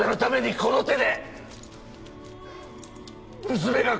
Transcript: この手で！